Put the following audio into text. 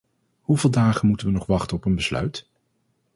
Hoeveel dagen moeten we nog wachten op een besluit?